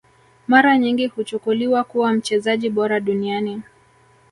Mara nyingi huchukuliwa kuwa mchezaji bora duniani